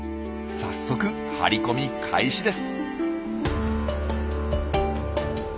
早速張り込み開始です。